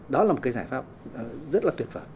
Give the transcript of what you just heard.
đó là một cái giải pháp rất là tuyệt vời